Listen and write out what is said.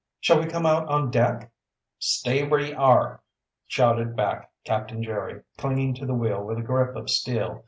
"Shall we come out on deck?" "Stay where ye are!" shouted back Captain Jerry, clinging to the wheel with a grip of steel.